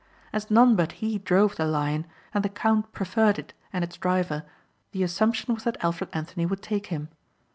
As none but he drove the Lion and the count preferred it and its driver the assumption was that Alfred Anthony would take him.